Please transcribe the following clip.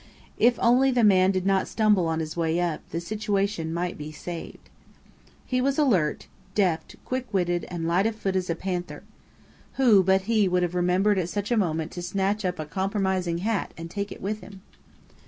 If only the man did not stumble on his way up, the situation might be saved. He was alert, deft, quick witted, and light of foot as a panther. Who but he would have remembered at such a moment to snatch up a compromising hat and take it with him?